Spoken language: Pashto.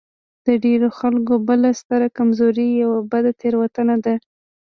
د ډېرو خلکو بله ستره کمزوري يوه بده تېروتنه ده.